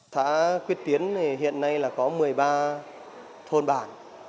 xã quyết tiến thì hiện nay là có một mươi ba thôn bản